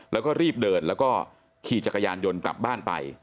แล้วก็รีบเดินแล้วก็ขี่จักรยานยนต์กลับบ้านไป